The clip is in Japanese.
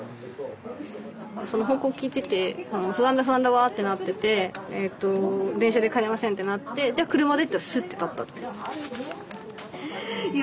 その報告聞いてて不安だ不安だわってなってて「電車で帰れません」ってなって「じゃあ車で」って言ったらスッて立ったって。